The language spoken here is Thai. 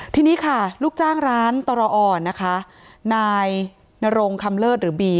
ทีนี้ค่ะลูกจ้างร้านตรอ่อนนะคะนายนรงคำเลิศหรือบี